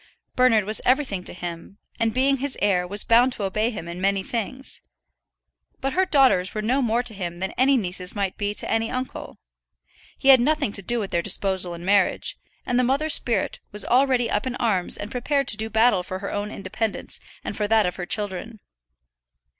Bernard was everything to him, and as being his heir was bound to obey him in many things. But her daughters were no more to him than any nieces might be to any uncle. He had nothing to do with their disposal in marriage; and the mother's spirit was already up in arms and prepared to do battle for her own independence, and for that of her children.